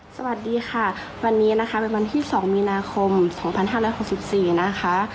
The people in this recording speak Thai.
สวัสดีค่ะวันนี้นะคะเป็นวันที่๒มีนาคม๒๕๖๔นะคะ